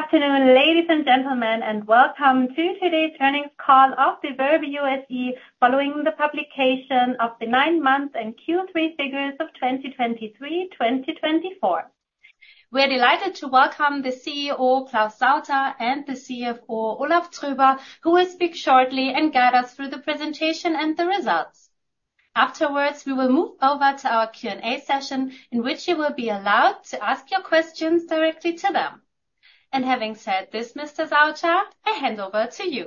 Good afternoon, ladies and gentlemen, and welcome to today's earnings call of Verbio SE following the publication of the nine-month and Q3 figures of 2023-2024. We are delighted to welcome the CEO Claus Sauter and the CFO Olaf Tröber, who will speak shortly and guide us through the presentation and the results. Afterwards, we will move over to our Q&A session, in which you will be allowed to ask your questions directly to them. Having said this, Mr. Sauter, I hand over to you.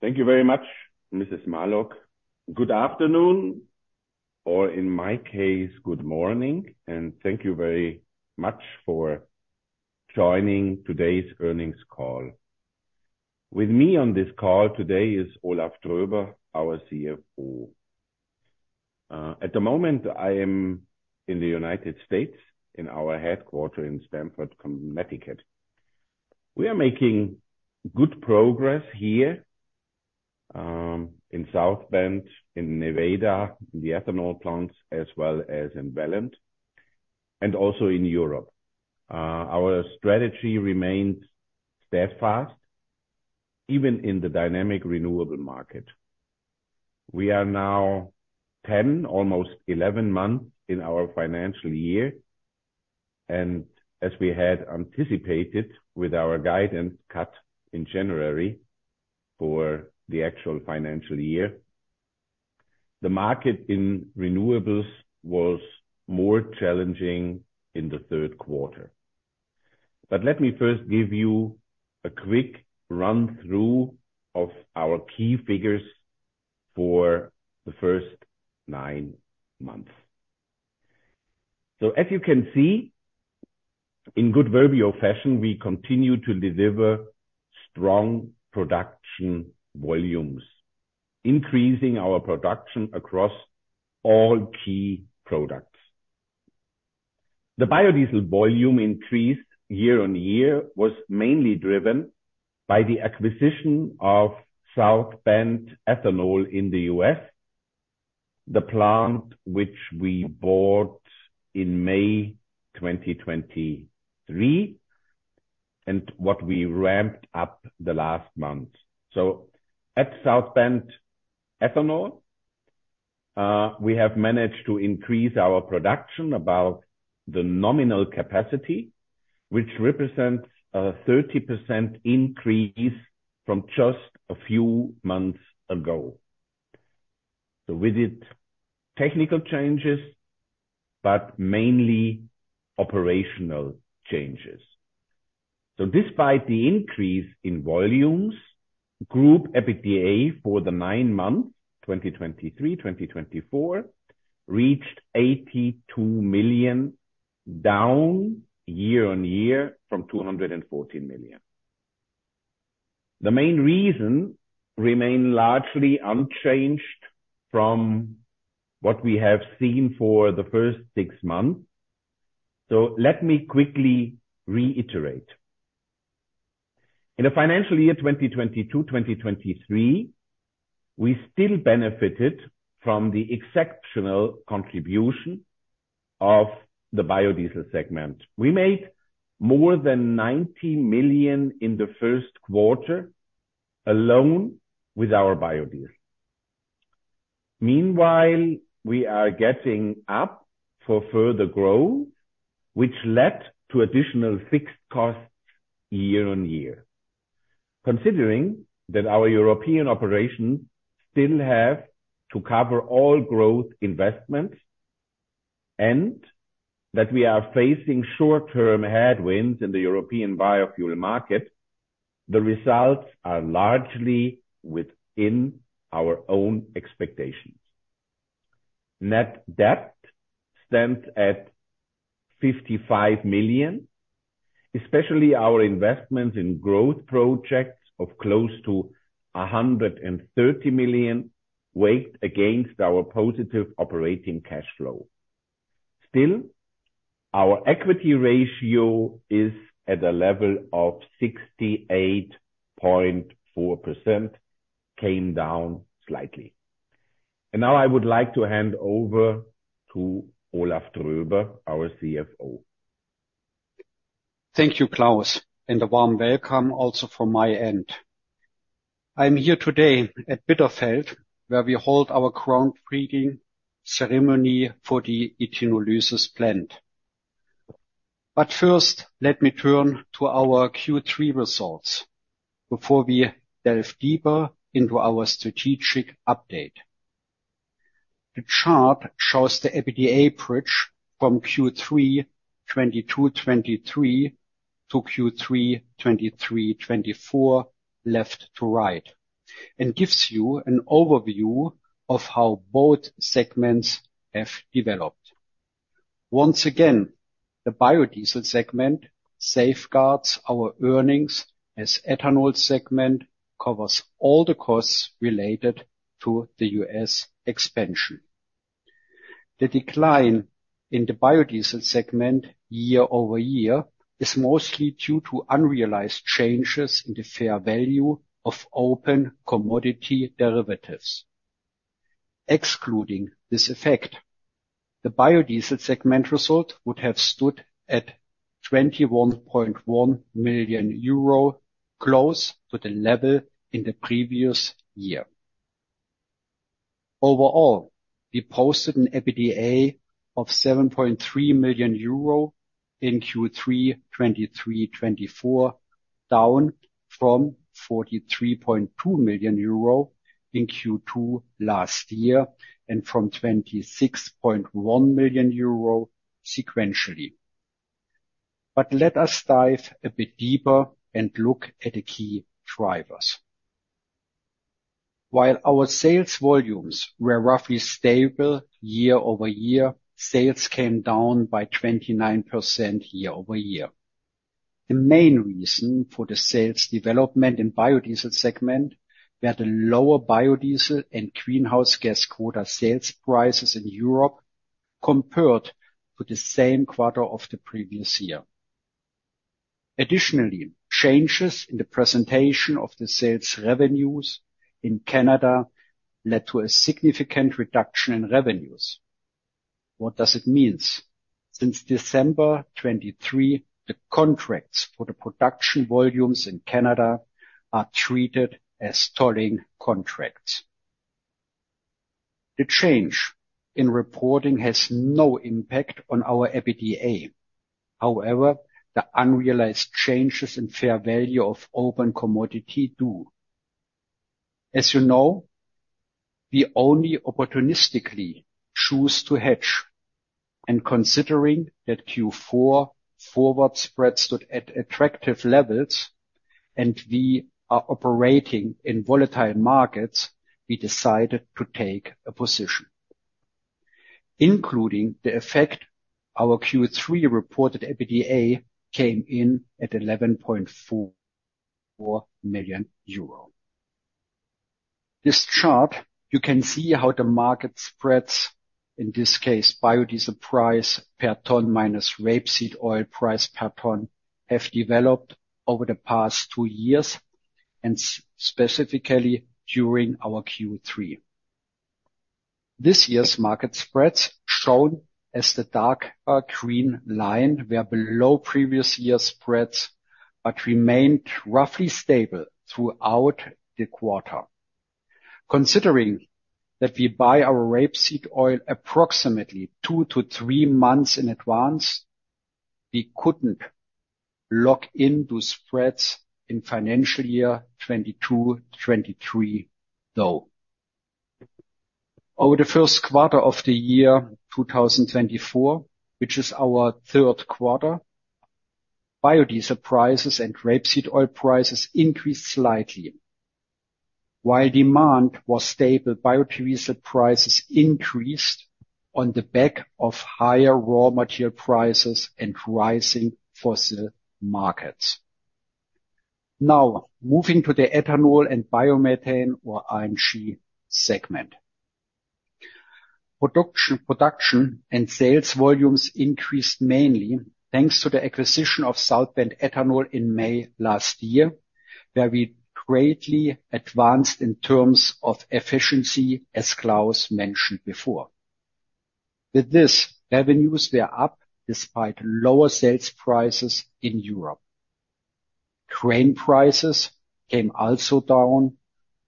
Thank you very much, Mrs. Marlock. Good afternoon, or in my case, good morning, and thank you very much for joining today's earnings call. With me on this call today is Olaf Tröber, our CFO. At the moment, I am in the United States, in our headquarters in Stamford, Connecticut. We are making good progress here in South Bend, in Nevada, in the ethanol plants, as well as in Welland, and also in Europe. Our strategy remains steadfast, even in the dynamic renewable market. We are now 10, almost 11 months in our financial year. And as we had anticipated with our guidance cut in January for the actual financial year, the market in renewables was more challenging in the third quarter. But let me first give you a quick run-through of our key figures for the first nine months. So as you can see, in good Verbio fashion, we continue to deliver strong production volumes, increasing our production across all key products. The biodiesel volume increase year-over-year was mainly driven by the acquisition of South Bend Ethanol in the U.S., the plant which we bought in May 2023, and what we ramped up the last month. So at South Bend Ethanol, we have managed to increase our production about the nominal capacity, which represents a 30% increase from just a few months ago. So we did technical changes, but mainly operational changes. So despite the increase in volumes, Group EBITDA for the nine months 2023-2024 reached 82 million down year-over-year from 214 million. The main reason remains largely unchanged from what we have seen for the first six months. So let me quickly reiterate. In the financial year 2022-2023, we still benefited from the exceptional contribution of the biodiesel segment. We made more than 90 million in the first quarter alone with our biodiesel. Meanwhile, we are gearing up for further growth, which led to additional fixed costs year-over-year. Considering that our European operations still have to cover all growth investments and that we are facing short-term headwinds in the European biofuel market, the results are largely within our own expectations. Net debt stands at 55 million, especially our investments in growth projects of close to 130 million weighed against our positive operating cash flow. Still, our equity ratio is at a level of 68.4%, which came down slightly. And now I would like to hand over to Olaf Tröber, our CFO. Thank you, Claus, and a warm welcome also from my end. I'm here today at Bitterfeld, where we hold our ground-breaking ceremony for the ethenolysis plant. But first, let me turn to our Q3 results before we delve deeper into our strategic update. The chart shows the EBITDA bridge from Q3 2022-2023 to Q3 2023-2024 left to right and gives you an overview of how both segments have developed. Once again, the biodiesel segment safeguards our earnings as the ethanol segment covers all the costs related to the U.S. expansion. The decline in the biodiesel segment year-over-year is mostly due to unrealized changes in the fair value of open commodity derivatives. Excluding this effect, the biodiesel segment result would have stood at 21.1 million euro, close to the level in the previous year. Overall, we posted an EBITDA of 7.3 million euro in Q3 2023-2024, down from 43.2 million euro in Q2 last year and from 26.1 million euro sequentially. But let us dive a bit deeper and look at the key drivers. While our sales volumes were roughly stable year-over-year, sales came down by 29% year-over-year. The main reason for the sales development in the biodiesel segment were the lower biodiesel and greenhouse gas quota sales prices in Europe compared to the same quarter of the previous year. Additionally, changes in the presentation of the sales revenues in Canada led to a significant reduction in revenues. What does it mean? Since December 2023, the contracts for the production volumes in Canada are treated as tolling contracts. The change in reporting has no impact on our EBITDA. However, the unrealized changes in fair value of open commodity do. As you know, we only opportunistically choose to hedge. Considering that Q4 forward spreads stood at attractive levels and we are operating in volatile markets, we decided to take a position. Including the effect, our Q3 reported EBITDA came in at 11.4 million euro. This chart, you can see how the market spreads, in this case, biodiesel price per ton minus rapeseed oil price per ton, have developed over the past two years, and specifically during our Q3. This year's market spreads shown as the dark green line were below previous year's spreads but remained roughly stable throughout the quarter. Considering that we buy our rapeseed oil approximately two to three months in advance, we couldn't lock into spreads in the financial year 2022-23, though. Over the first quarter of the year 2024, which is our third quarter, biodiesel prices and rapeseed oil prices increased slightly. While demand was stable, biodiesel prices increased on the back of higher raw material prices and rising fossil markets. Now, moving to the ethanol and biomethane or RNG segment. Production and sales volumes increased mainly thanks to the acquisition of South Bend Ethanol in May last year, where we greatly advanced in terms of efficiency, as Claus mentioned before. With this, revenues were up despite lower sales prices in Europe. Grain prices came also down,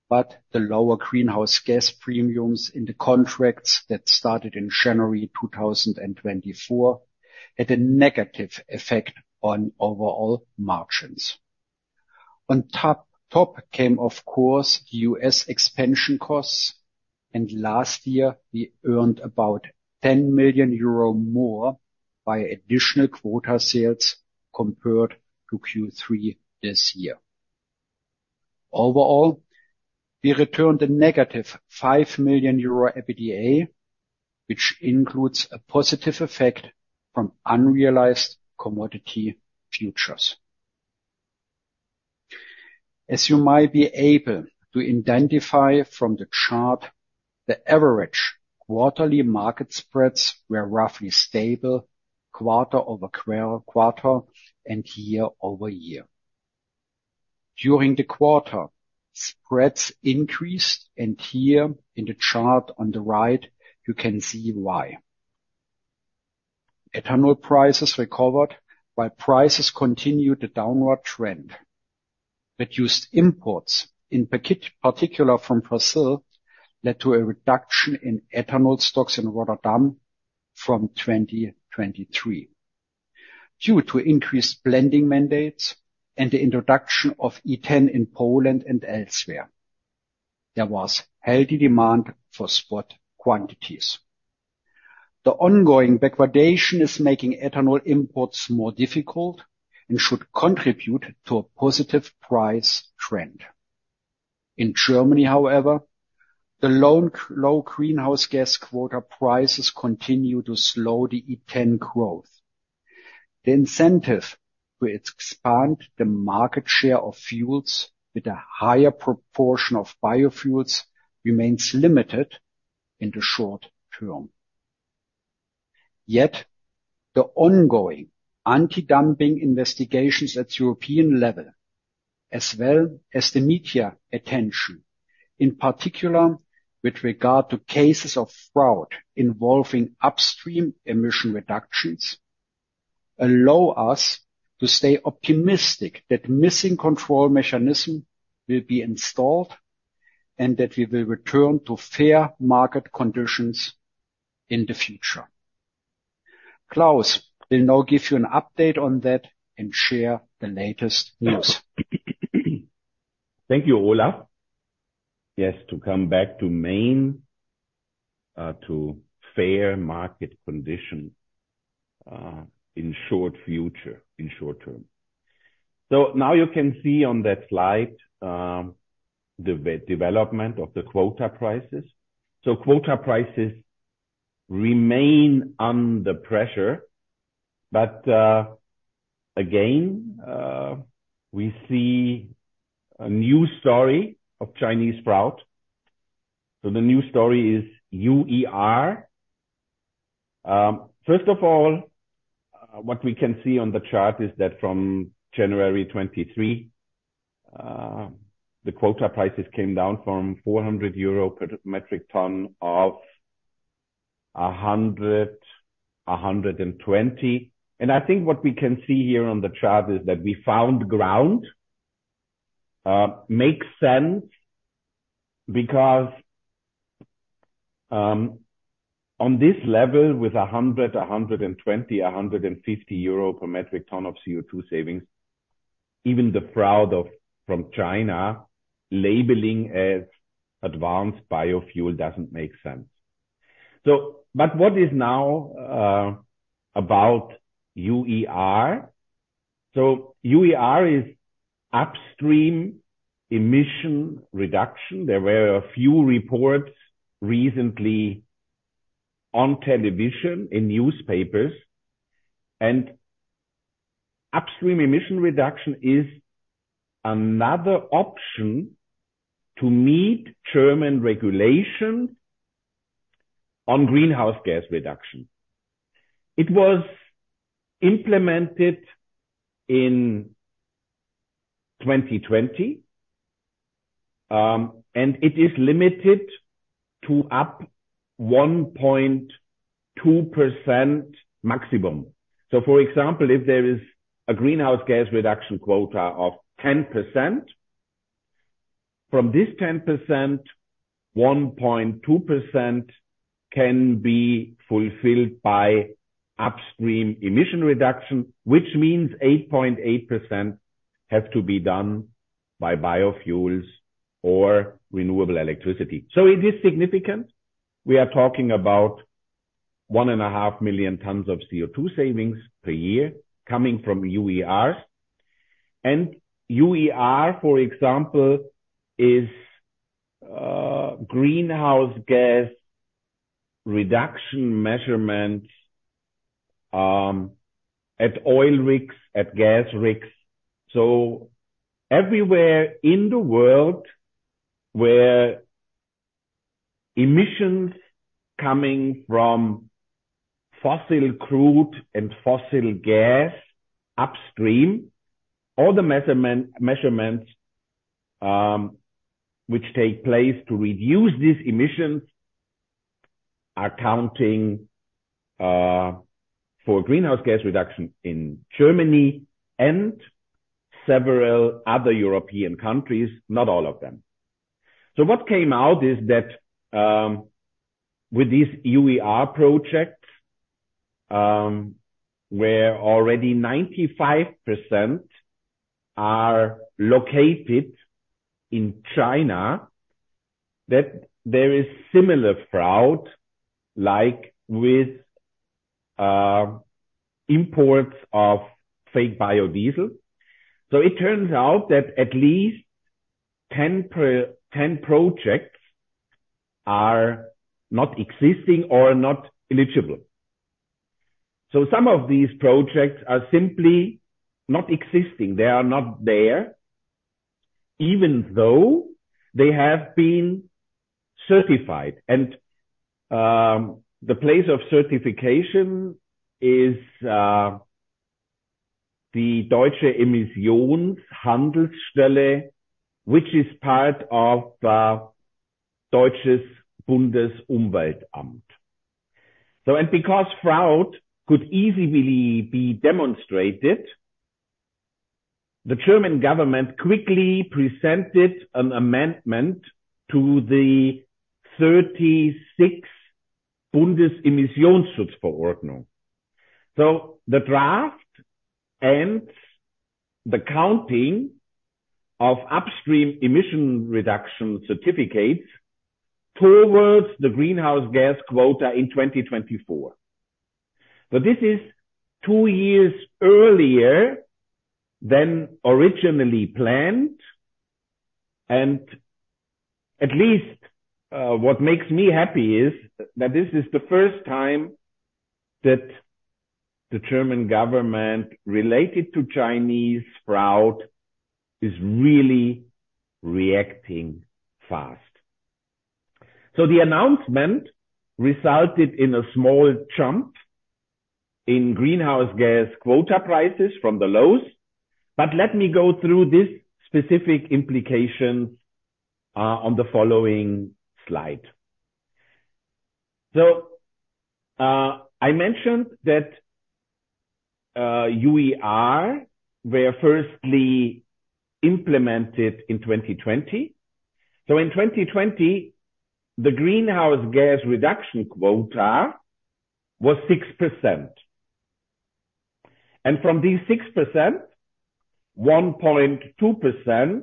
but the lower greenhouse gas premiums in the contracts that started in January 2024 had a negative effect on overall margins. On top came, of course, the U.S. expansion costs, and last year we earned about 10 million euro more by additional quota sales compared to Q3 this year. Overall, we returned a -5 million euro EBITDA, which includes a positive effect from unrealized commodity futures. As you might be able to identify from the chart, the average quarterly market spreads were roughly stable quarter-over-quarter and year-over-year. During the quarter, spreads increased, and here in the chart on the right, you can see why. Ethanol prices recovered while prices continued the downward trend. Reduced imports, in particular from Brazil, led to a reduction in ethanol stocks in Rotterdam from 2023. Due to increased blending mandates and the introduction of E10 in Poland and elsewhere, there was healthy demand for spot quantities. The ongoing backwardation is making ethanol imports more difficult and should contribute to a positive price trend. In Germany, however, the low greenhouse gas quota prices continue to slow the E10 growth. The incentive to expand the market share of fuels with a higher proportion of biofuels remains limited in the short term. Yet, the ongoing anti-dumping investigations at the European level, as well as the media attention, in particular with regard to cases of fraud involving upstream emission reductions, allow us to stay optimistic that missing control mechanisms will be installed and that we will return to fair market conditions in the future. Claus will now give you an update on that and share the latest news. Thank you, Olaf. Yes, to come back to main, to fair market conditions in the short future, in the short term. So now you can see on that slide the development of the quota prices. So quota prices remain under pressure, but again, we see a new story of Chinese fraud. So the new story is UER. First of all, what we can see on the chart is that from January 2023, the quota prices came down from 400 euro per metric ton to 100-120. And I think what we can see here on the chart is that we found ground. Makes sense because on this level, with 100-120, 150 euro per metric ton of CO2 savings, even the fraud from China labeling as advanced biofuel doesn't make sense. So but what is now about UER? So UER is upstream emission reduction. There were a few reports recently on television and newspapers, and upstream emission reduction is another option to meet German regulations on greenhouse gas reduction. It was implemented in 2020, and it is limited to up 1.2% maximum. So for example, if there is a greenhouse gas reduction quota of 10%, from this 10%, 1.2% can be fulfilled by upstream emission reduction, which means 8.8% have to be done by biofuels or renewable electricity. So it is significant. We are talking about 1.5 million tons of CO2 savings per year coming from UER. And UER, for example, is greenhouse gas reduction measurements at oil rigs, at gas rigs. So everywhere in the world where emissions coming from fossil crude and fossil gas upstream, all the measurements which take place to reduce these emissions are counting for greenhouse gas reduction in Germany and several other European countries, not all of them. So what came out is that with this UER project, where already 95% are located in China, that there is similar fraud like with imports of fake biodiesel. So it turns out that at least 10 projects are not existing or not eligible. So some of these projects are simply not existing. They are not there, even though they have been certified. And the place of certification is the Deutsche Emissionshandelsstelle, which is part of Deutsches Bundesumweltamt. So and because fraud could easily be demonstrated, the German government quickly presented an amendment to the 36. Bundesimmissionsschutzverordnung. So the draft and the counting of upstream emission reduction certificates towards the greenhouse gas quota in 2024. So this is two years earlier than originally planned. And at least what makes me happy is that this is the first time that the German government related to Chinese fraud is really reacting fast. So the announcement resulted in a small jump in greenhouse gas quota prices from the lows. But let me go through this specific implication on the following slide. So I mentioned that UER were firstly implemented in 2020. So in 2020, the greenhouse gas reduction quota was 6%. And from these 6%, 1.2%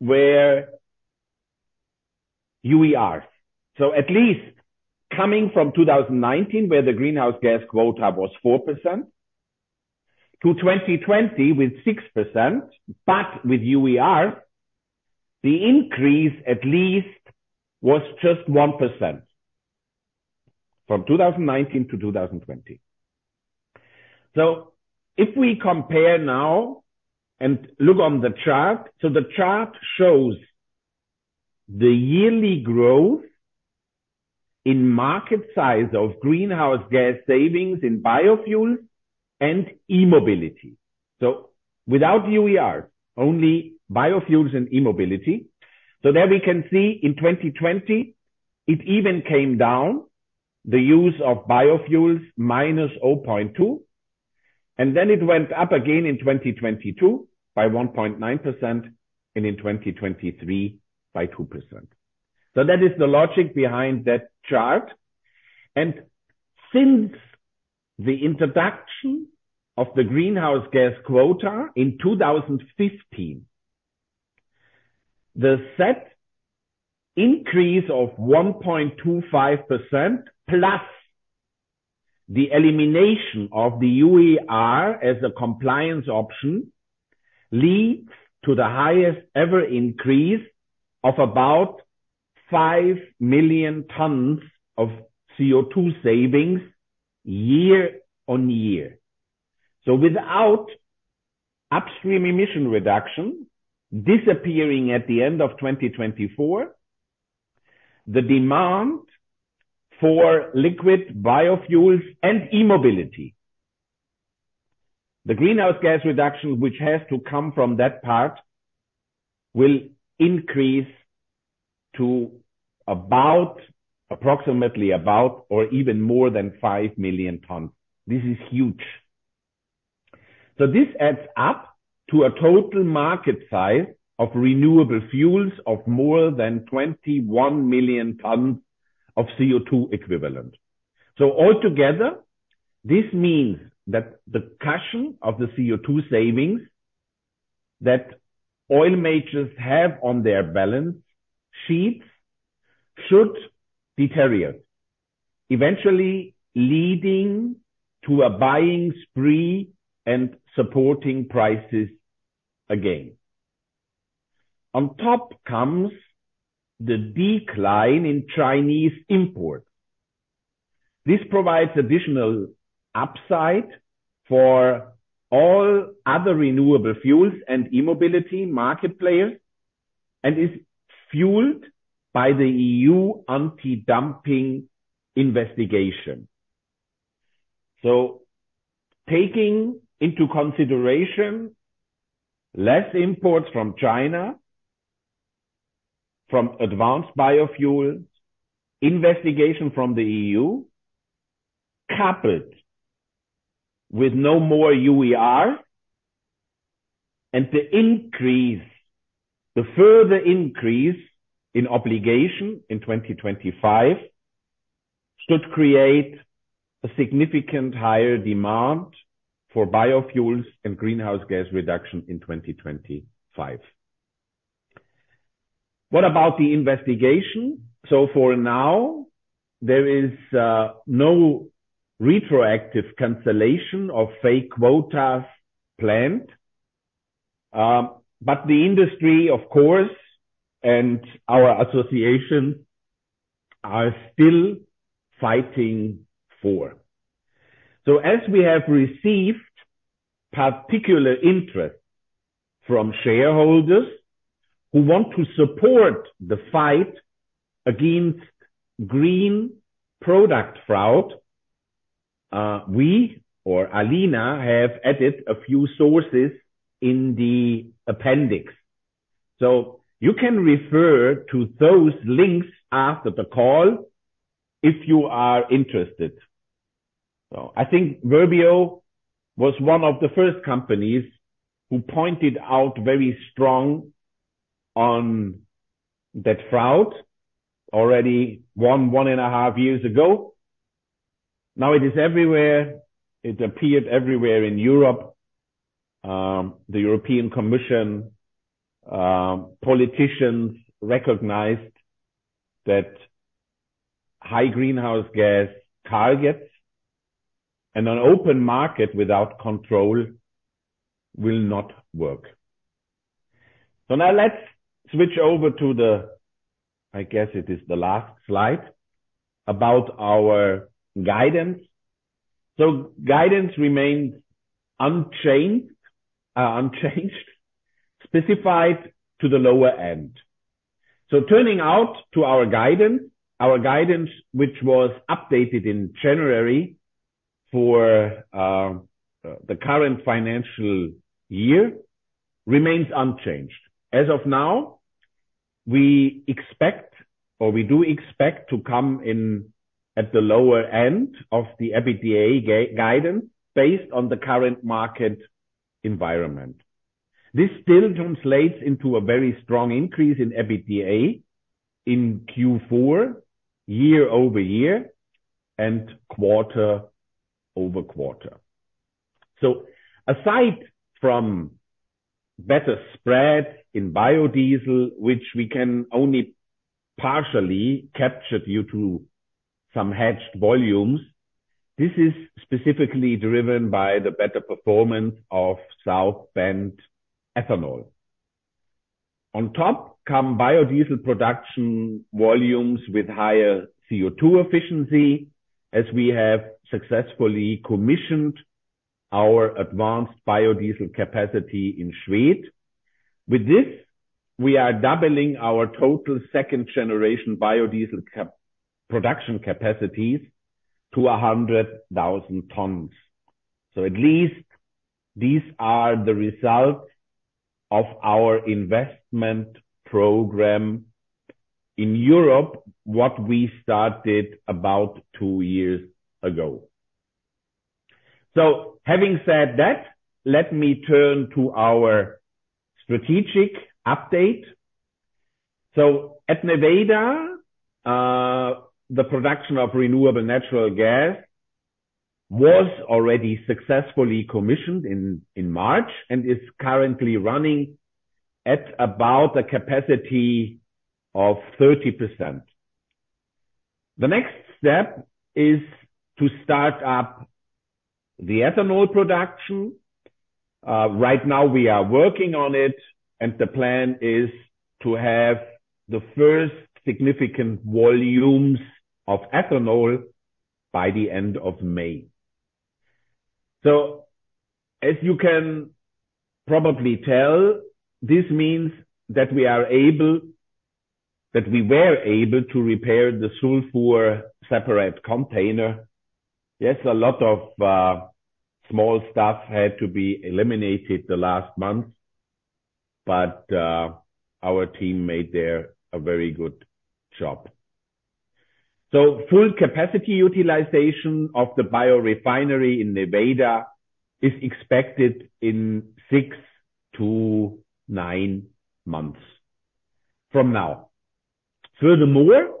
were UER. So at least coming from 2019, where the greenhouse gas quota was 4% to 2020 with 6%, but with UER, the increase at least was just 1% from 2019 to 2020. So if we compare now and look on the chart, so the chart shows the yearly growth in market size of greenhouse gas savings in biofuels and e-mobility. So without UER, only biofuels and e-mobility. So there we can see in 2020, it even came down, the use of biofuels -0.2%. And then it went up again in 2022 by 1.9% and in 2023 by 2%. So that is the logic behind that chart. And since the introduction of the greenhouse gas quota in 2015, the set increase of 1.25% plus the elimination of the UER as a compliance option leads to the highest ever increase of about 5 million tons of CO2 savings year-on-year. So without upstream emission reduction disappearing at the end of 2024, the demand for liquid biofuels and e-mobility, the greenhouse gas reduction, which has to come from that part, will increase to approximately about or even more than 5 million tons. This is huge. So this adds up to a total market size of renewable fuels of more than 21 million tons of CO2 equivalent. So altogether, this means that the cushion of the CO2 savings that oil majors have on their balance sheets should deteriorate, eventually leading to a buying spree and supporting prices again. On top comes the decline in Chinese imports. This provides additional upside for all other renewable fuels and e-mobility market players and is fueled by the EU anti-dumping investigation. So taking into consideration less imports from China, from advanced biofuel, investigation from the EU coupled with no more UER, and the further increase in obligation in 2025 should create a significant higher demand for biofuels and greenhouse gas reduction in 2025. What about the investigation? So for now, there is no retroactive cancellation of fake quotas planned. But the industry, of course, and our association are still fighting for. So as we have received particular interest from shareholders who want to support the fight against green product fraud, we or Alina have added a few sources in the appendix. So you can refer to those links after the call if you are interested. So I think Verbio was one of the first companies who pointed out very strongly on that fraud already 1.5 years ago. Now it is everywhere. It appeared everywhere in Europe. The European Commission politicians recognized that high greenhouse gas targets and an open market without control will not work. So now let's switch over to the I guess it is the last slide about our guidance. So guidance remained unchanged, specified to the lower end. So turning to our guidance, our guidance, which was updated in January for the current financial year, remains unchanged. As of now, we expect or we do expect to come in at the lower end of the EBITDA guidance based on the current market environment. This still translates into a very strong increase in EBITDA in Q4 year-over-year and quarter-over-quarter. So aside from better spread in biodiesel, which we can only partially capture due to some hedged volumes, this is specifically driven by the better performance of South Bend Ethanol. On top come biodiesel production volumes with higher CO2 efficiency as we have successfully commissioned our advanced biodiesel capacity in Sweden. With this, we are doubling our total second generation biodiesel production capacities to 100,000 tons. So at least these are the results of our investment program in Europe, what we started about two years ago. So having said that, let me turn to our strategic update. So at Nevada, the production of renewable natural gas was already successfully commissioned in March and is currently running at about a capacity of 30%. The next step is to start up the ethanol production. Right now, we are working on it and the plan is to have the first significant volumes of ethanol by the end of May. So as you can probably tell, this means that we were able to repair the sulfur separator container. Yes, a lot of small stuff had to be eliminated the last month, but our team made there a very good job. So full capacity utilization of the biorefinery in Nevada is expected in six to nine months from now. Furthermore,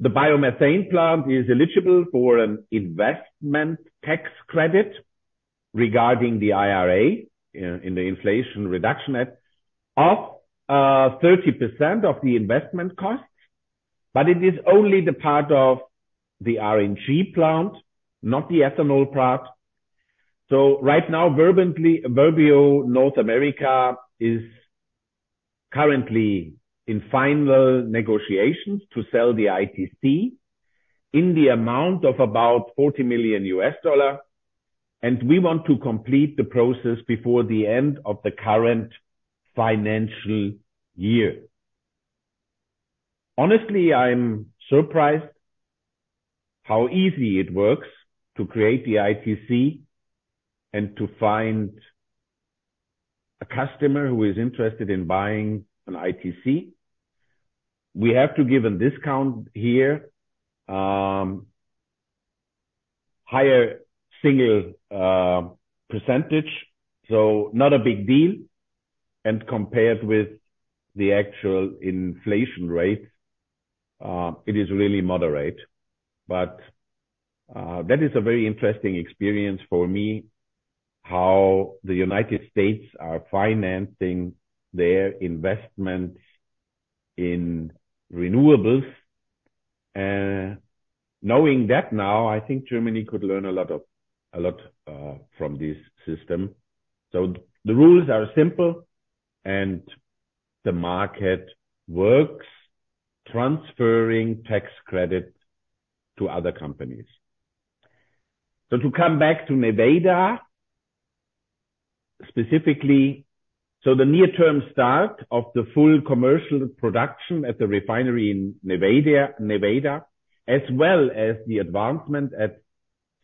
the biomethane plant is eligible for an investment tax credit regarding the IRA in the Inflation Reduction Act of 30% of the investment costs. But it is only the part of the RNG plant, not the ethanol part. So right now, Verbio North America is currently in final negotiations to sell the ITC in the amount of about $40 million. And we want to complete the process before the end of the current financial year. Honestly, I'm surprised how easy it works to create the ITC and to find a customer who is interested in buying an ITC. We have to give a discount here, higher single percentage, so not a big deal. Compared with the actual inflation rate, it is really moderate. That is a very interesting experience for me, how the United States are financing their investments in renewables. Knowing that now, I think Germany could learn a lot from this system. The rules are simple and the market works transferring tax credit to other companies. To come back to Nevada specifically, so the near-term start of the full commercial production at the refinery in Nevada, as well as the advancement at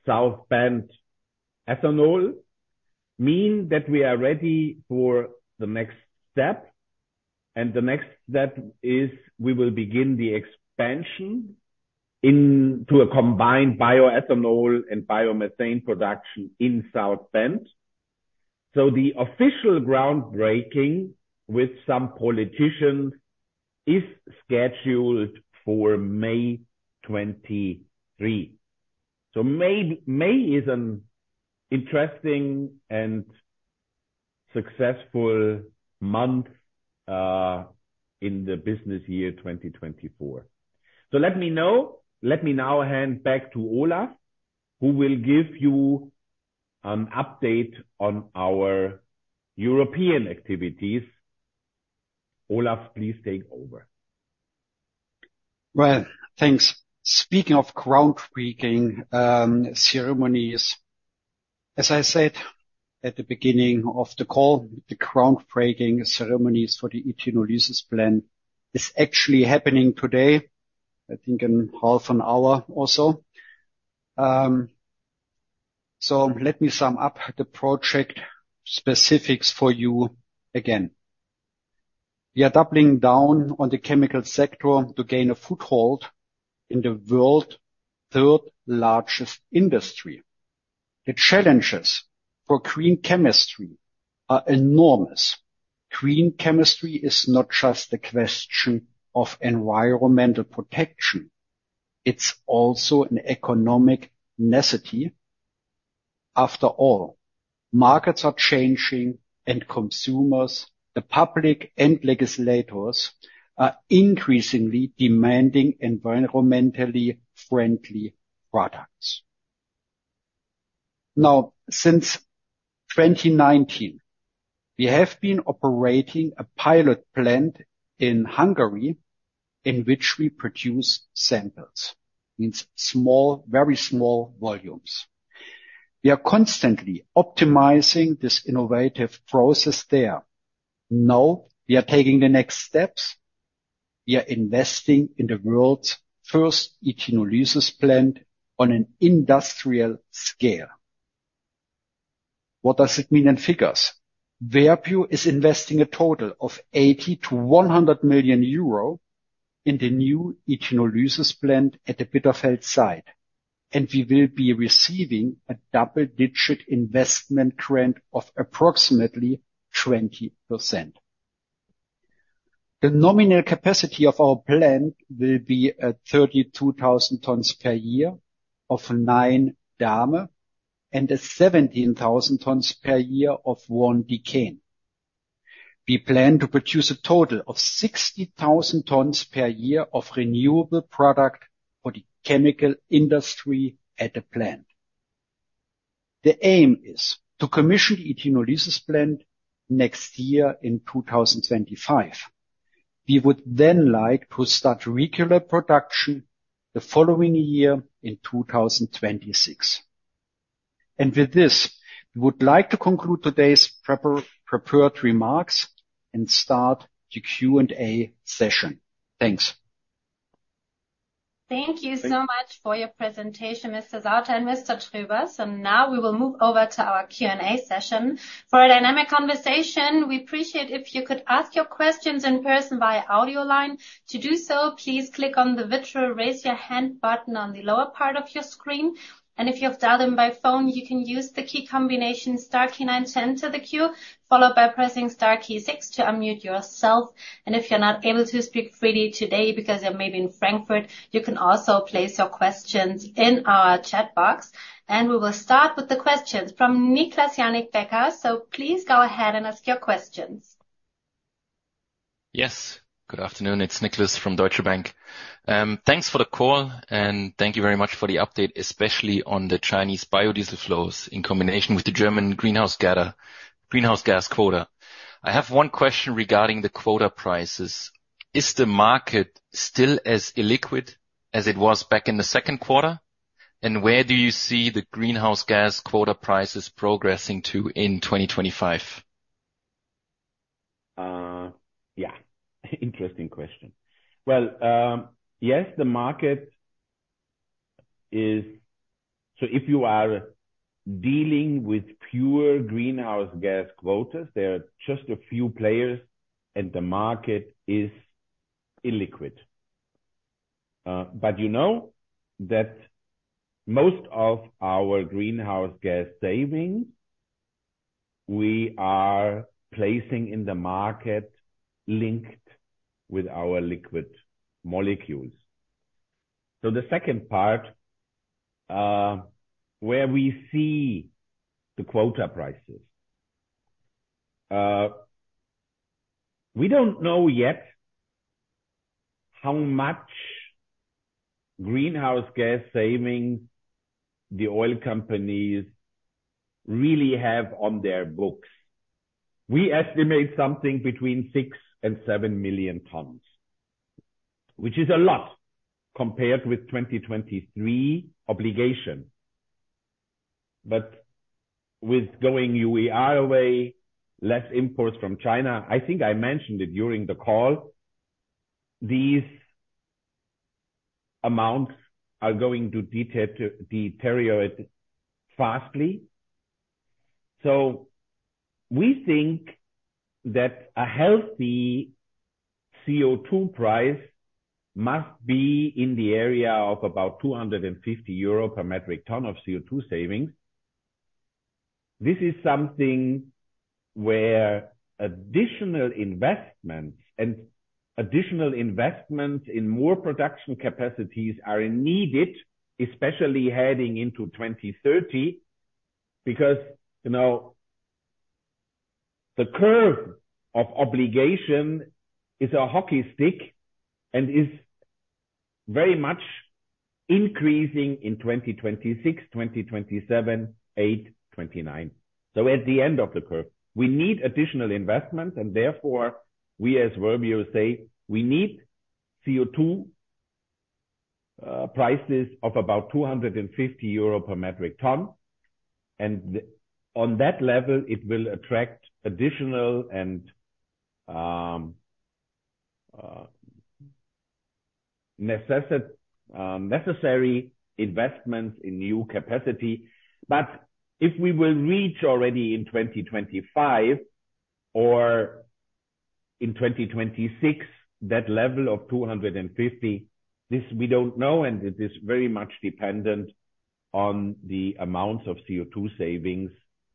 South Bend Ethanol, mean that we are ready for the next step. The next step is we will begin the expansion into a combined bioethanol and biomethane production in South Bend. The official groundbreaking with some politicians is scheduled for May 23. So May is an interesting and successful month in the business year 2024. So let me know. Let me now hand back to Olaf, who will give you an update on our European activities. Olaf, please take over. Right. Thanks. Speaking of groundbreaking ceremonies, as I said at the beginning of the call, the groundbreaking ceremonies for the ethenolysis plant is actually happening today, I think in half an hour or so. So let me sum up the project specifics for you again. We are doubling down on the chemical sector to gain a foothold in the world's third largest industry. The challenges for green chemistry are enormous. Green chemistry is not just a question of environmental protection. It's also an economic necessity. After all, markets are changing and consumers, the public and legislators, are increasingly demanding environmentally friendly products. Now, since 2019, we have been operating a pilot plant in Hungary in which we produce samples, means small, very small volumes. We are constantly optimizing this innovative process there. Now we are taking the next steps. We are investing in the world's first ethenolysis plant on an industrial scale. What does it mean in figures? Verbio is investing a total of 80 million-100 million euro in the new ethenolysis plant at the Bitterfeld site, and we will be receiving a double-digit investment grant of approximately 20%. The nominal capacity of our plant will be 32,000 tons per year of 9-DAME and 17,000 tons per year of 1-decene. We plan to produce a total of 60,000 tons per year of renewable product for the chemical industry at the plant. The aim is to commission the ethenolysis plant next year in 2025. We would then like to start regular production the following year in 2026. And with this, we would like to conclude today's prepared remarks and start the Q&A session. Thanks. Thank you so much for your presentation, Mr. Sauter and Mr. Tröber. So now we will move over to our Q&A session for a dynamic conversation. We appreciate it if you could ask your questions in person via audio line. To do so, please click on the virtual raise your hand button on the lower part of your screen. And if you have dialed in by phone, you can use the key combination star key nine 10 to the queue, followed by pressing star key six to unmute yourself. And if you're not able to speak freely today because you're maybe in Frankfurt, you can also place your questions in our chat box. We will start with the questions from Niklas Yannik Becker. Please go ahead and ask your questions. Yes. Good afternoon. It's Niklas from Deutsche Bank. Thanks for the call and thank you very much for the update, especially on the Chinese biodiesel flows in combination with the German greenhouse gas quota. I have one question regarding the quota prices. Is the market still as illiquid as it was back in the second quarter? And where do you see the greenhouse gas quota prices progressing to in 2025? Yeah. Interesting question. Well, yes, the market is so if you are dealing with pure greenhouse gas quotas, there are just a few players and the market is illiquid. But you know that most of our greenhouse gas savings we are placing in the market linked with our liquid molecules. So the second part where we see the quota prices, we don't know yet how much greenhouse gas savings the oil companies really have on their books. We estimate something between six to seven million tons, which is a lot compared with 2023 obligation. But with going UER away, less imports from China, I think I mentioned it during the call. These amounts are going to deteriorate fast. So we think that a healthy CO2 price must be in the area of about 250 euro per metric ton of CO2 savings. This is something where additional investments and additional investments in more production capacities are needed, especially heading into 2030 because the curve of obligation is a hockey stick and is very much increasing in 2026, 2027, 2028, 2029. So at the end of the curve, we need additional investments and therefore we as Verbio say we need CO2 prices of about 250 euro per metric ton. And on that level, it will attract additional and necessary investments in new capacity. But if we will reach already in 2025 or in 2026 that level of 250, we don't know and it is very much dependent on the amounts of CO2 savings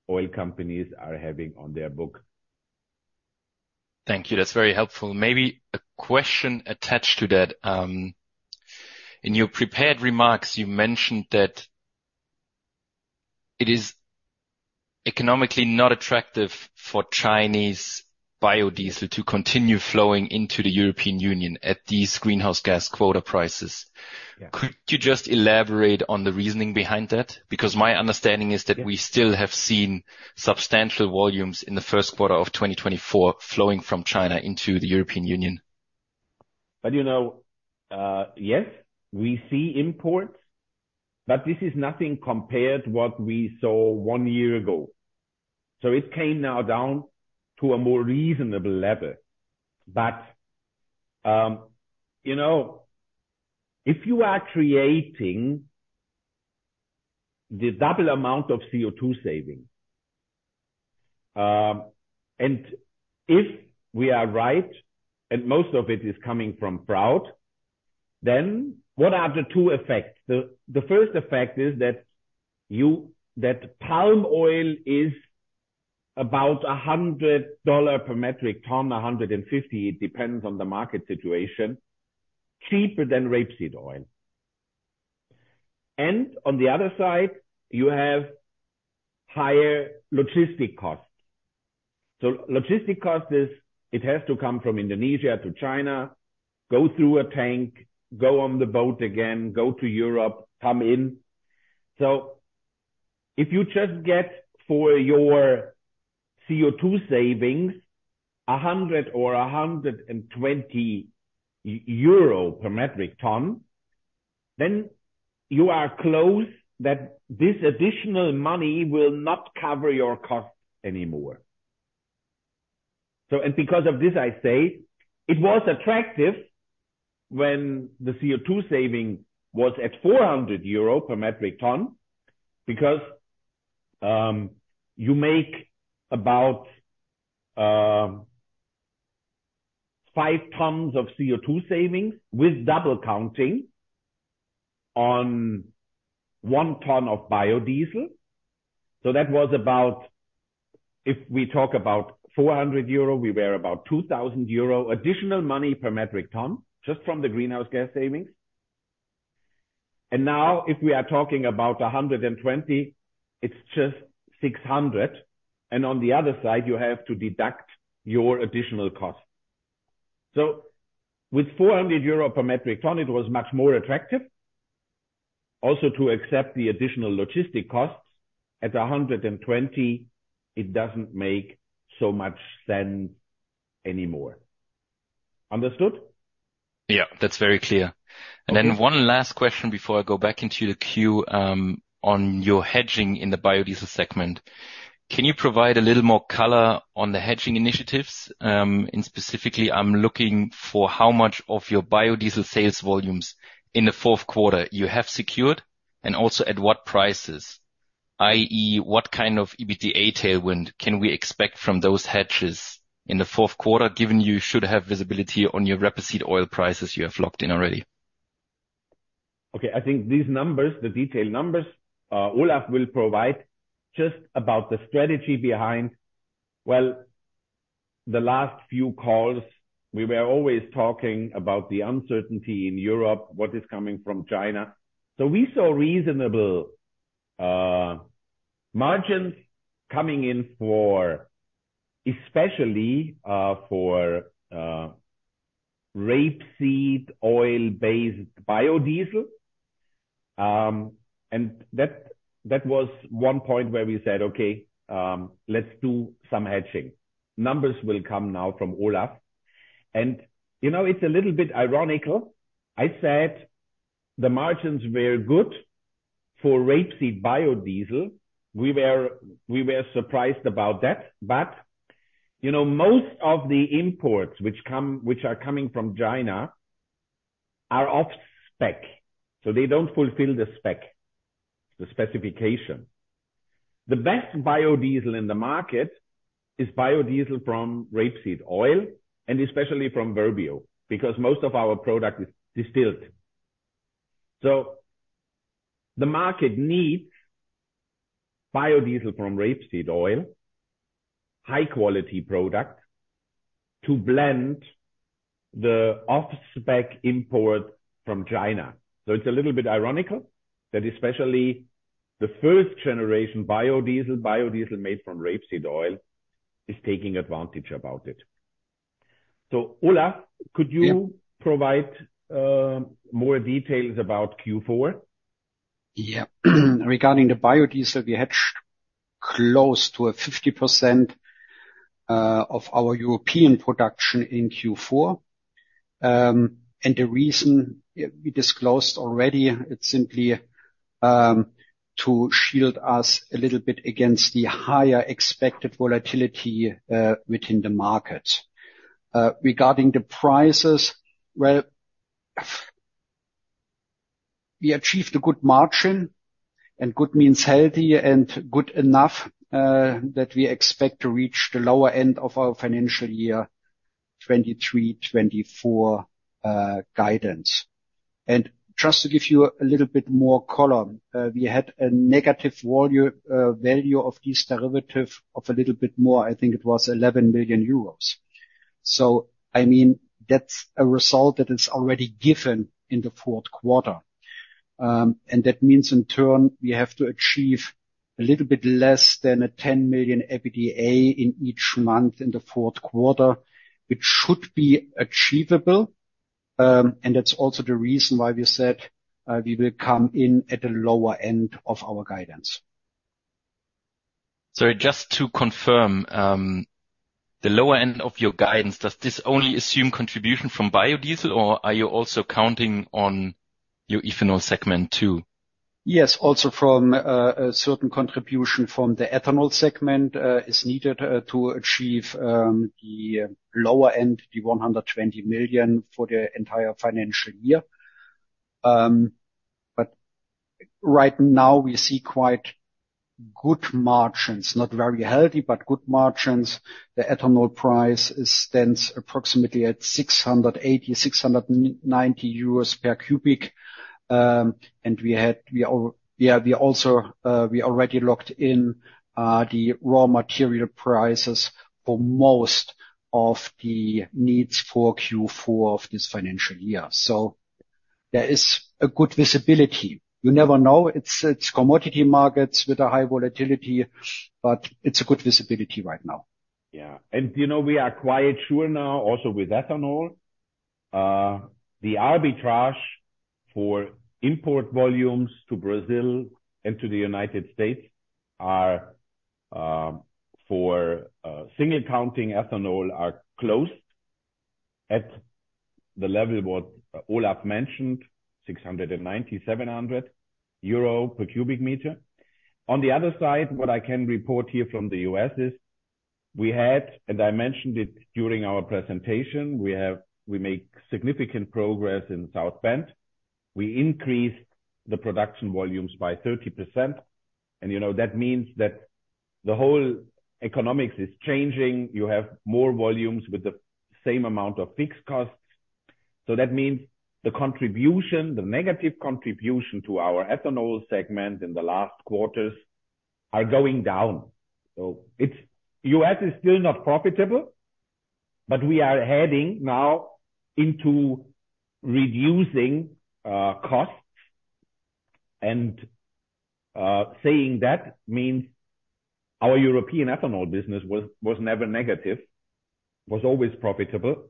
oil companies are having on their book. Thank you. That's very helpful. Maybe a question attached to that. In your prepared remarks, you mentioned that it is economically not attractive for Chinese biodiesel to continue flowing into the European Union at these greenhouse gas quota prices. Could you just elaborate on the reasoning behind that? Because my understanding is that we still have seen substantial volumes in the first quarter of 2024 flowing from China into the European Union. But yes, we see imports, but this is nothing compared to what we saw one year ago. So it came now down to a more reasonable level. But if you are creating the double amount of CO2 savings, and if we are right and most of it is coming from fraud, then what are the two effects? The first effect is that palm oil is about $100-$150 per metric ton cheaper than rapeseed oil. And on the other side, you have higher logistic costs. So logistic cost is it has to come from Indonesia to China, go through a tank, go on the boat again, go to Europe, come in. So if you just get for your CO2 savings 100 or 120 euro per metric ton, then you are close that this additional money will not cover your cost anymore. And because of this, I say it was attractive when the CO2 saving was at 400 euro per metric ton because you make about five tons of CO2 savings with double counting on one ton of biodiesel. So that was about if we talk about 400 euro, we were about 2,000 euro additional money per metric ton just from the greenhouse gas savings. And now if we are talking about 120, it's just 600. And on the other side, you have to deduct your additional costs. So with 400 euro per metric ton, it was much more attractive. Also to accept the additional logistic costs at 120, it doesn't make so much sense anymore. Understood? Yeah, that's very clear. And then one last question before I go back into the queue on your hedging in the biodiesel segment. Can you provide a little more color on the hedging initiatives? And specifically, I'm looking for how much of your biodiesel sales volumes in the fourth quarter you have secured and also at what prices, i.e., what kind of EBITDA tailwind can we expect from those hedges in the fourth quarter, given you should have visibility on your rapeseed oil prices you have locked in already? Okay. I think these numbers, the detailed numbers, Olaf will provide just about the strategy behind. Well, the last few calls, we were always talking about the uncertainty in Europe, what is coming from China. So we saw reasonable margins coming in for especially for rapeseed oil-based biodiesel. That was one point where we said, "Okay, let's do some hedging." Numbers will come now from Olaf. It's a little bit ironical. I said the margins were good for rapeseed biodiesel. We were surprised about that. But most of the imports, which are coming from China, are off spec. So they don't fulfill the spec, the specification. The best biodiesel in the market is biodiesel from rapeseed oil and especially from Verbio because most of our product is distilled. So the market needs biodiesel from rapeseed oil, high-quality product to blend the off-spec import from China. So it's a little bit ironical that especially the first generation biodiesel, biodiesel made from rapeseed oil, is taking advantage about it. So Olaf, could you provide more details about Q4? Yeah. Regarding the biodiesel, we hedged close to 50% of our European production in Q4. The reason we disclosed already, it's simply to shield us a little bit against the higher expected volatility within the market. Regarding the prices, well, we achieved a good margin and good means healthy and good enough that we expect to reach the lower end of our financial year 2023-2024 guidance. And just to give you a little bit more color, we had a negative value of these derivatives of a little bit more. I think it was 11 million euros. So I mean, that's a result that is already given in the fourth quarter. And that means in turn, we have to achieve a little bit less than 10 million EBITDA in each month in the fourth quarter, which should be achievable. And that's also the reason why we said we will come in at the lower end of our guidance. Sorry, just to confirm, the lower end of your guidance, does this only assume contribution from biodiesel or are you also counting on your ethanol segment too? Yes, also from a certain contribution from the ethanol segment is needed to achieve the lower end, the 120 million for the entire financial year. But right now, we see quite good margins, not very healthy, but good margins. The ethanol price stands approximately at 680-690 euros per cubic. And we already locked in the raw material prices for most of the needs for Q4 of this financial year. So there is a good visibility. You never know. It's commodity markets with a high volatility, but it's a good visibility right now. Yeah. And we are quite sure now also with ethanol, the arbitrage for import volumes to Brazil and to the United States are for single counting ethanol are closed at the level what Olaf mentioned, 690-700 euro per cubic meter. On the other side, what I can report here from the U.S. is we had and I mentioned it during our presentation, we make significant progress in South Bend. We increased the production volumes by 30%. And that means that the whole economics is changing. You have more volumes with the same amount of fixed costs. So that means the contribution, the negative contribution to our ethanol segment in the last quarters are going down. So U.S. is still not profitable, but we are heading now into reducing costs. And saying that means our European ethanol business was never negative, was always profitable.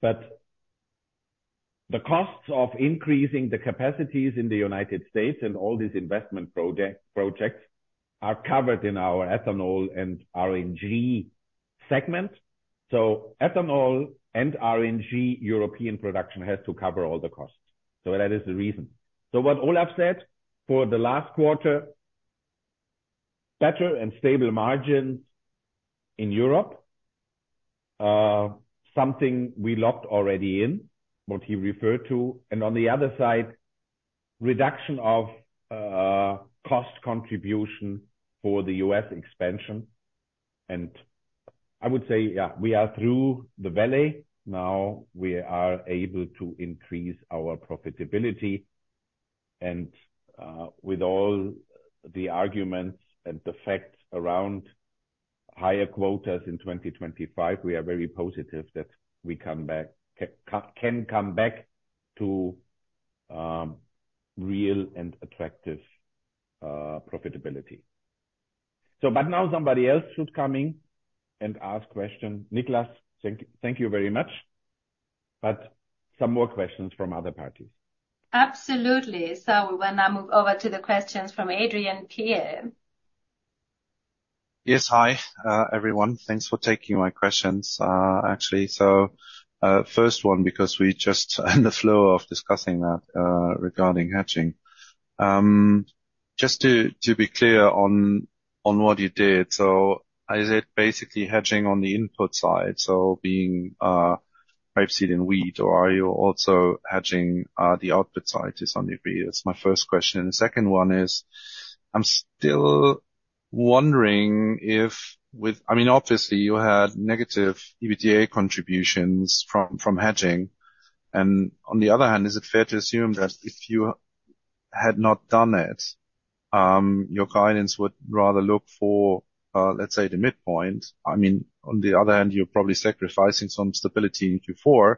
But the costs of increasing the capacities in the United States and all these investment projects are covered in our ethanol and RNG segment. So ethanol and RNG European production has to cover all the costs. So that is the reason. So what Olaf said for the last quarter, better and stable margins in Europe, something we locked already in, what he referred to. And on the other side, reduction of cost contribution for the U.S. expansion. And I would say, yeah, we are through the valley. Now we are able to increase our profitability. And with all the arguments and the facts around higher quotas in 2025, we are very positive that we come back, can come back to real and attractive profitability. But now somebody else should come in and ask questions. Nicholas, thank you very much. But some more questions from other parties. Absolutely. So we will now move over to the questions from Adrian Pehl. Yes, hi, everyone. Thanks for taking my questions, actually. So first one, because we just had the flow of discussing that regarding hedging. Just to be clear on what you did, so I said basically hedging on the input side, so being rapeseed and wheat, or are you also hedging the output side to some degree? That's my first question. The second one is, I'm still wondering if with I mean, obviously, you had negative EBITDA contributions from hedging. And on the other hand, is it fair to assume that if you had not done it, your guidance would rather look for, let's say, the midpoint? I mean, on the other hand, you're probably sacrificing some stability in Q4,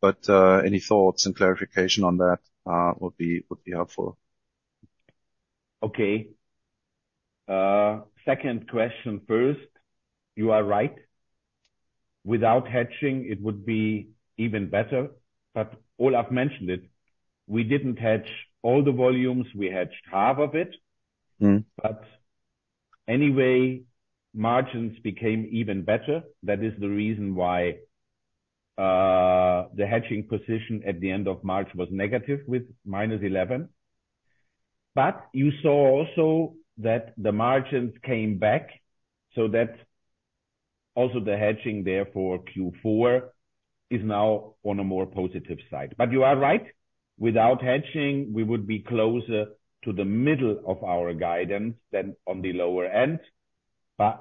but any thoughts and clarification on that would be helpful. Okay. Second question first, you are right. Without hedging, it would be even better. But Olaf mentioned it. We didn't hedge all the volumes. We hedged half of it. But anyway, margins became even better. That is the reason why the hedging position at the end of March was negative with -11. But you saw also that the margins came back, so that also the hedging there for Q4 is now on a more positive side. But you are right. Without hedging, we would be closer to the middle of our guidance than on the lower end. But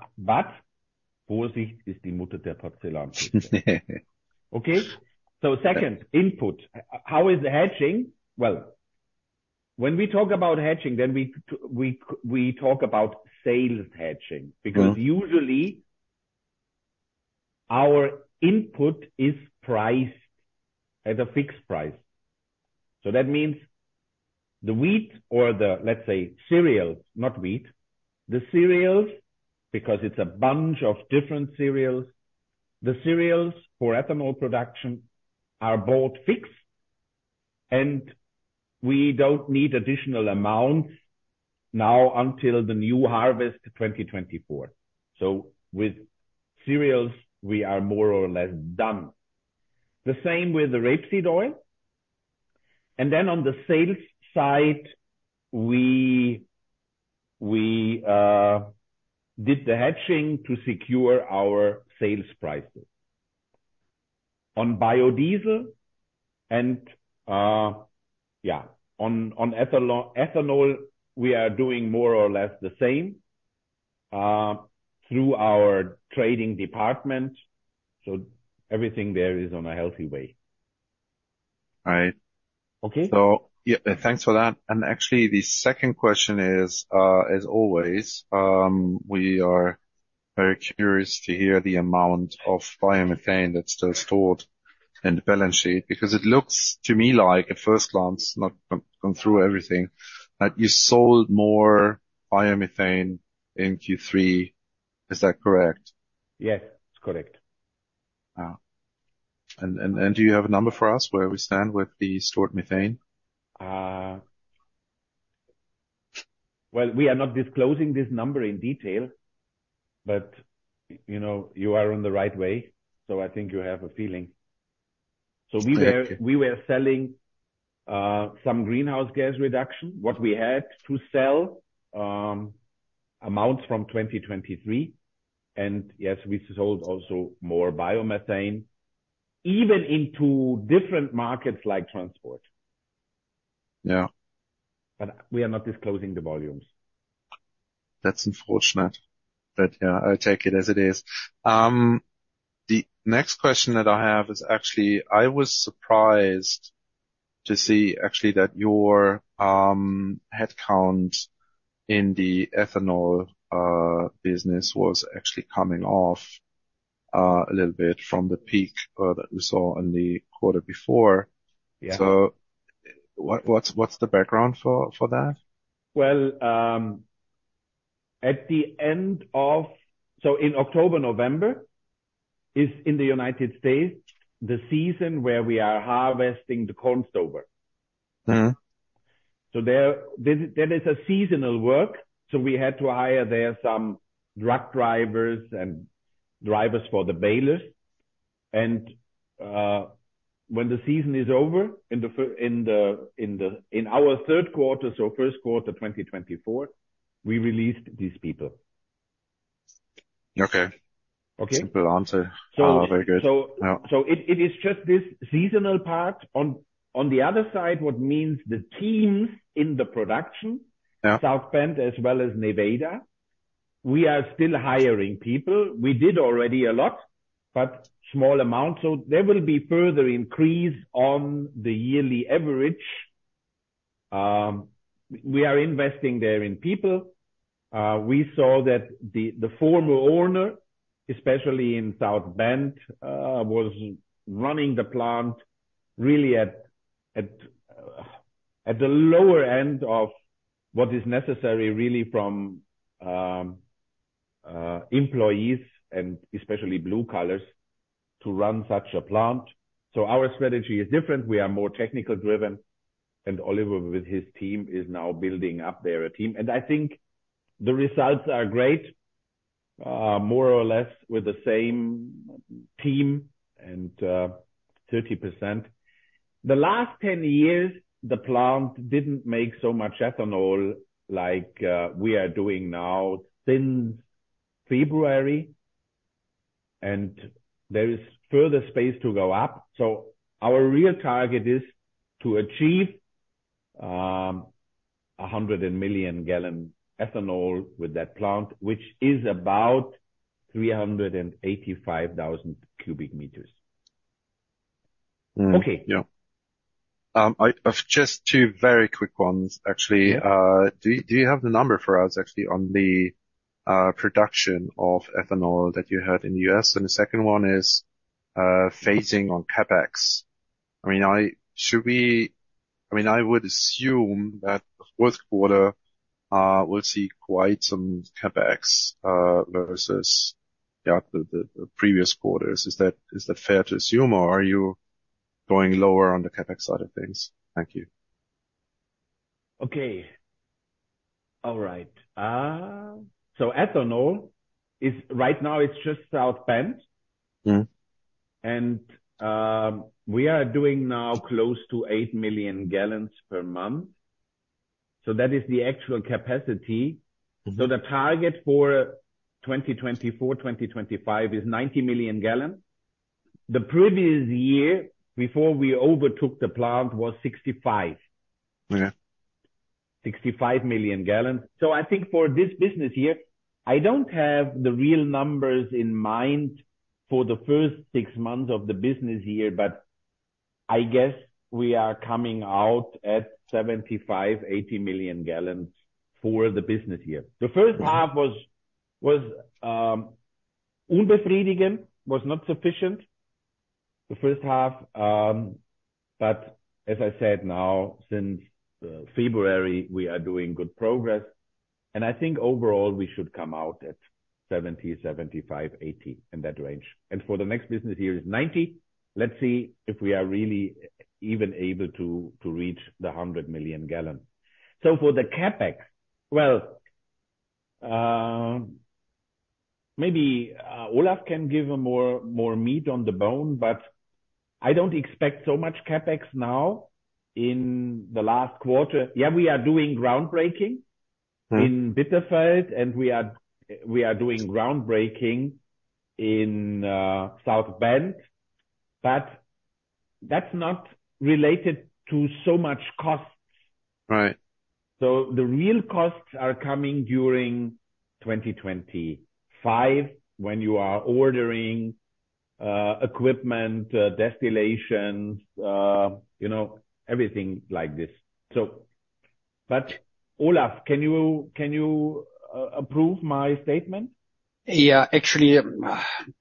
Vorsicht ist die Mutter der Porzellan. Okay. So second, input, how is the hedging? Well, when we talk about hedging, then we talk about sales hedging because usually our input is priced at a fixed price. So that means the wheat or the, let's say, cereals, not wheat, the cereals, because it's a bunch of different cereals, the cereals for ethanol production are bought fixed. And we don't need additional amounts now until the new harvest 2024. So with cereals, we are more or less done. The same with the rapeseed oil. And then on the sales side, we did the hedging to secure our sales prices on biodiesel. And yeah, on ethanol, we are doing more or less the same through our trading department. So everything there is on a healthy way. Right. So yeah, thanks for that. And actually, the second question is, as always, we are very curious to hear the amount of biomethane that's still stored in the balance sheet because it looks to me like at first glance, not gone through everything, that you sold more biomethane in Q3. Is that correct? Yes, it's correct. Do you have a number for us where we stand with the stored methane? Well, we are not disclosing this number in detail, but you are on the right way. So I think you have a feeling. So we were selling some greenhouse gas reduction, what we had to sell, amounts from 2023. Yes, we sold also more biomethane even into different markets like transport. But we are not disclosing the volumes. That's unfortunate. But yeah, I'll take it as it is. The next question that I have is actually, I was surprised to see actually that your headcount in the ethanol business was actually coming off a little bit from the peak that we saw in the quarter before. So what's the background for that? Well, at the end of—so in October, November is in the United States, the season where we are harvesting the corn stover. So there is a seasonal work. So we had to hire there some truck drivers and drivers for the balers. And when the season is over in our third quarter, so first quarter 2024, we released these people. Okay. Simple answer. Very good. So it is just this seasonal part. On the other side, what means the teams in the production, South Bend, as well as Nevada, we are still hiring people. We did already a lot, but small amounts. So there will be further increase on the yearly average. We are investing there in people. We saw that the former owner, especially in South Bend, was running the plant really at the lower end of what is necessary really from employees and especially blue-collar to run such a plant. So our strategy is different. We are more technically driven. And Olaf with his team is now building up there a team. And I think the results are great, more or less with the same team and 30%. The last 10 years, the plant didn't make so much ethanol like we are doing now since February. And there is further space to go up. So our real target is to achieve 100 million gallon ethanol with that plant, which is about 385,000 cubic meters. Okay. Yeah. Just two very quick ones, actually. Do you have the number for us actually on the production of ethanol that you had in the U.S.? The second one is phasing on CapEx. I mean, should we I mean, I would assume that the fourth quarter will see quite some CapEx versus, yeah, the previous quarters. Is that fair to assume or are you going lower on the CapEx side of things? Thank you. Okay. All right. Ethanol, right now, it's just South Bend. And we are doing now close to eight million gallons per month. So that is the actual capacity. So the target for 2024, 2025 is 90 million gallons. The previous year before we overtook the plant was 65 million gallons. So I think for this business year, I don't have the real numbers in mind for the first six months of the business year, but I guess we are coming out at 75-80 million gallons for the business year. The first half was unbefriedigend, was not sufficient, the first half. But as I said, now since February, we are doing good progress. And I think overall, we should come out at 70, 75, 80, in that range. And for the next business year is 90. Let's see if we are really even able to reach the 100 million gallons. So for the CapEx, well, maybe Olaf can give a more meat on the bone, but I don't expect so much CapEx now in the last quarter. Yeah, we are doing groundbreaking in Bitterfeld, and we are doing groundbreaking in South Bend. But that's not related to so much costs. So the real costs are coming during 2025 when you are ordering equipment, distillations, everything like this. But Olaf, can you approve my statement? Yeah. Actually,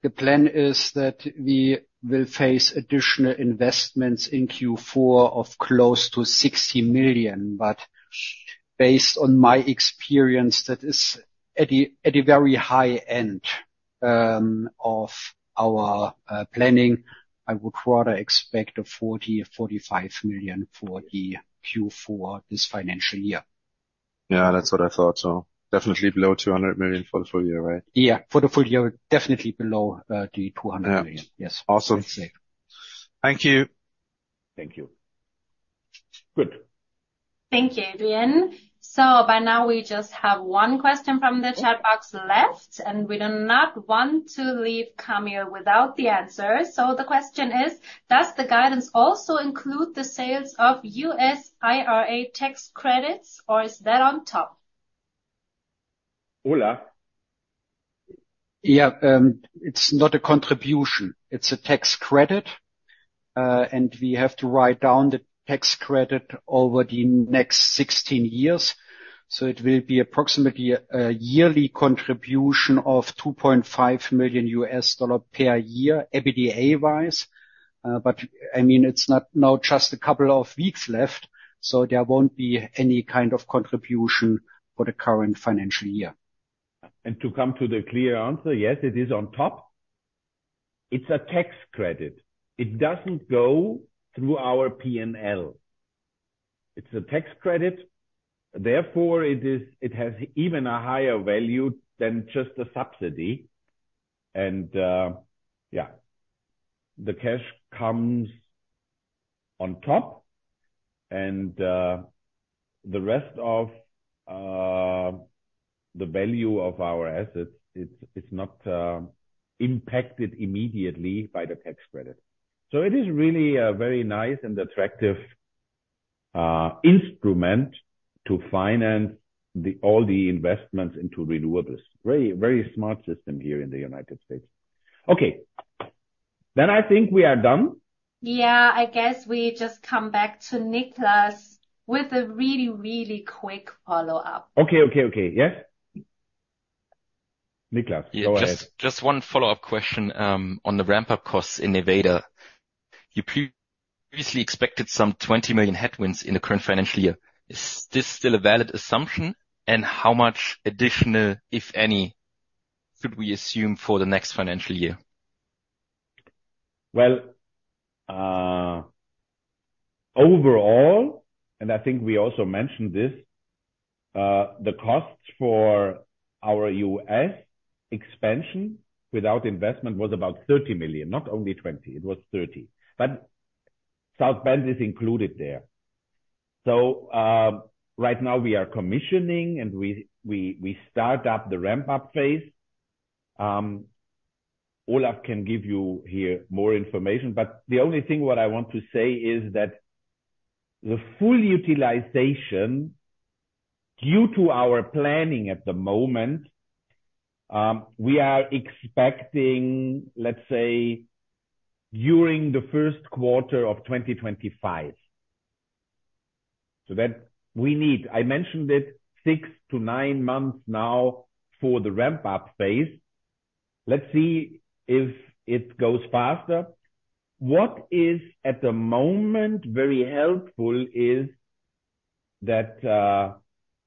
the plan is that we will face additional investments in Q4 of close to 60 million. But based on my experience, that is at a very high end of our planning. I would rather expect 40 million-45 million for the Q4 this financial year. Yeah, that's what I thought, so. Definitely below 200 million for the full year, right? Yeah, for the full year, definitely below the 200 million. Yes. Awesome. Thank you. Thank you. Good. Thank you, Adrian. So by now, we just have one question from the chat box left, and we do not want to leave Kamil without the answer. So the question is, does the guidance also include the sales of U.S. IRA tax credits, or is that on top? Olaf? Yeah. It's not a contribution. It's a tax credit. And we have to write down the tax credit over the next 16 years. So it will be approximately a yearly contribution of $2.5 million per year EBITDA-wise. But I mean, it's not now just a couple of weeks left, so there won't be any kind of contribution for the current financial year. And to come to the clear answer, yes, it is on top. It's a tax credit. It doesn't go through our P&L. It's a tax credit. Therefore, it has even a higher value than just a subsidy. And yeah, the cash comes on top, and the rest of the value of our assets, it's not impacted immediately by the tax credit. So it is really a very nice and attractive instrument to finance all the investments into renewables. Very, very smart system here in the United States. Okay. Then I think we are done. Yeah, I guess we just come back to Niklas with a really, really quick follow-up. Okay, okay, okay. Yes. Niklas, go ahead. Yeah. Just one follow-up question on the ramp-up costs in Nevada. You previously expected some $20 million headwinds in the current financial year. Is this still a valid assumption? And how much additional, if any, should we assume for the next financial year? Well, overall, and I think we also mentioned this, the costs for our U.S. expansion without investment was about $30 million, not only $20. It was $30. But South Bend is included there. So right now, we are commissioning, and we start up the ramp-up phase. Olaf can give you here more information. But the only thing what I want to say is that the full utilization due to our planning at the moment, we are expecting, let's say, during the first quarter of 2025. So that we need I mentioned it six to nine months now for the ramp-up phase. Let's see if it goes faster. What is at the moment very helpful is that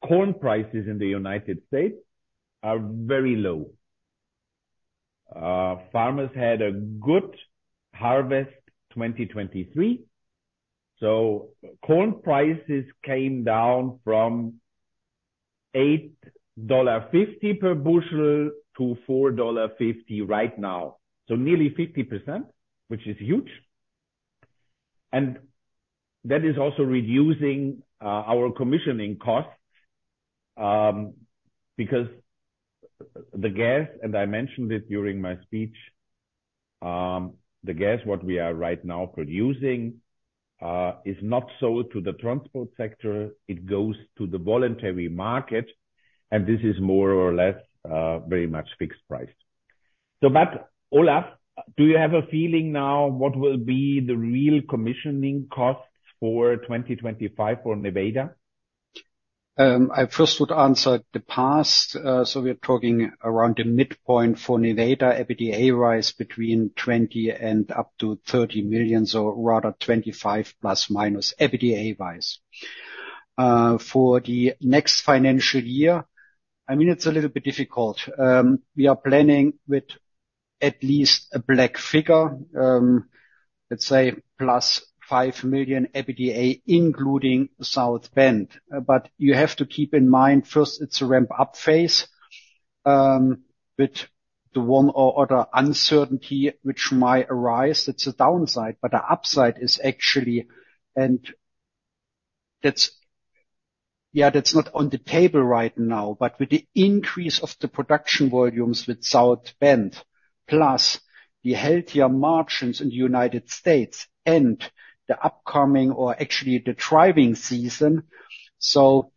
corn prices in the United States are very low. Farmers had a good harvest 2023. So corn prices came down from $8.50 per bushel to $4.50 right now, so nearly 50%, which is huge. And that is also reducing our commissioning costs because the gas and I mentioned it during my speech, the gas what we are right now producing is not sold to the transport sector. It goes to the voluntary market, and this is more or less very much fixed priced. But Olaf, do you have a feeling now what will be the real commissioning costs for 2025 for Nevada? I first would answer the past. So we are talking around the midpoint for Nevada EBITDA-wise between 20 million and up to 30 million, so rather EUR 25± million EBITDA-wise. For the next financial year, I mean, it's a little bit difficult. We are planning with at least a black figure, let's say, +5 million EBITDA including South Bend. But you have to keep in mind first, it's a ramp-up phase with the one or other uncertainty which might arise. It's a downside, but the upside is actually and yeah, that's not on the table right now. But with the increase of the production volumes with South Bend plus the healthier margins in the United States and the upcoming or actually the driving season, so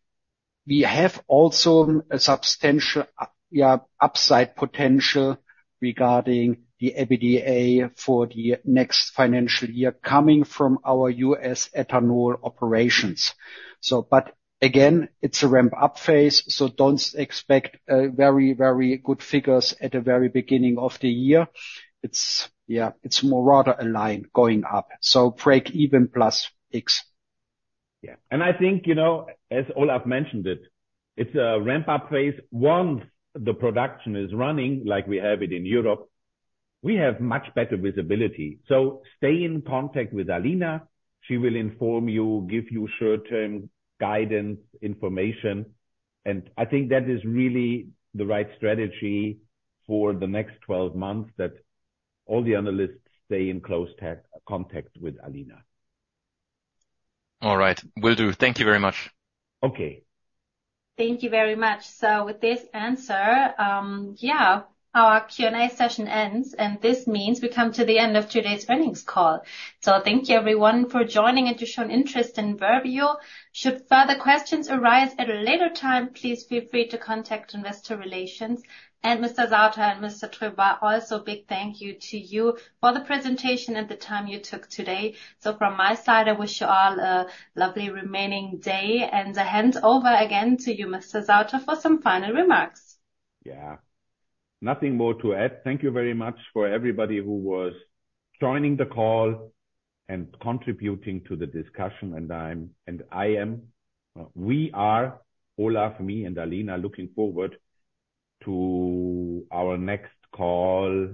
we have also a substantial, yeah, upside potential regarding the EBITDA for the next financial year coming from our U.S. ethanol operations. But again, it's a ramp-up phase, so don't expect very, very good figures at the very beginning of the year. Yeah, it's more rather aligned going up. So break even plus X. Yeah. And I think, as Olaf mentioned it, it's a ramp-up phase. Once the production is running like we have it in Europe, we have much better visibility. So stay in contact with Alina. She will inform you, give you short-term guidance, information. And I think that is really the right strategy for the next 12 months that all the analysts stay in close contact with Alina. All right. Will do. Thank you very much. Okay. Thank you very much. So with this answer, yeah, our Q&A session ends, and this means we come to the end of today's earnings call. So thank you, everyone, for joining and to show an interest in Verbio. Should further questions arise at a later time, please feel free to contact Investor Relations. Mr. Sauter and Mr. Tröber, also big thank you to you for the presentation and the time you took today. From my side, I wish you all a lovely remaining day. Then hands over again to you, Mr. Sauter, for some final remarks. Yeah. Nothing more to add. Thank you very much for everybody who was joining the call and contributing to the discussion. We are Olaf, me, and Alina looking forward to our next call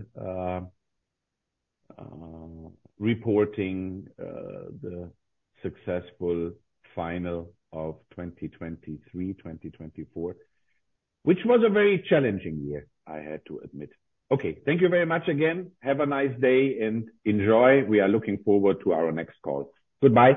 reporting the successful final of 2023, 2024, which was a very challenging year, I had to admit. Okay. Thank you very much again. Have a nice day and enjoy. We are looking forward to our next call. Goodbye.